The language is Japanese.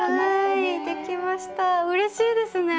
うれしいですね。